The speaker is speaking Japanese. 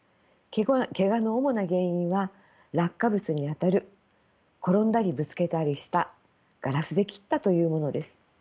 けがの主な原因は落下物にあたる転んだりぶつけたりしたガラスで切ったというものです。